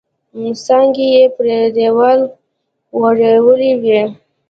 څانګې یې پر دیوال غوړولي وې.